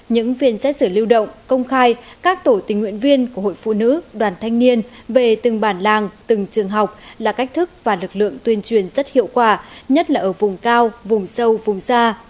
những phiên xét xử lưu động công khai các tổ tình nguyện viên của hội phụ nữ đoàn thanh niên về từng bản làng từng trường học là cách thức và lực lượng tuyên truyền rất hiệu quả nhất là ở vùng cao vùng sâu vùng xa